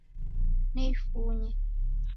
Neifunye